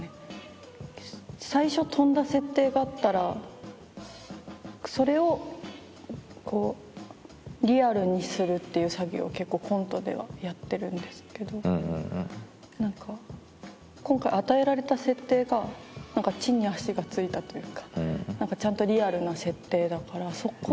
最初飛んだ設定があったらそれをこうリアルにするっていう作業を結構コントではやってるんですけど何か今回与えられた設定が地に足がついたというかちゃんとリアルな設定だからそこをこう。